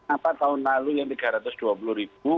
apa tahun lalu yang rp tiga ratus dua puluh